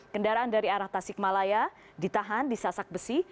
kendaraan dari arah tasik malaya ditahan di sasak besi